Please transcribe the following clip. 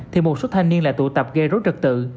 thì một số thanh niên lại tụ tập gây rối trật tự